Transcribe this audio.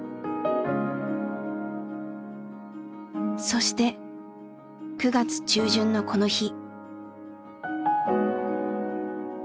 そして９月中旬のこの日。